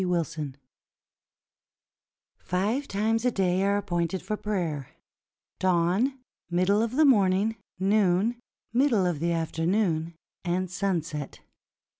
WILSON Five times a day are appointed for prayer — dawn, middle of the morning, noon, middle of the afternoon, and sunset.